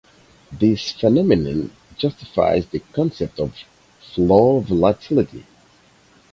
This phenomenon justifies the concept of "floor volatility".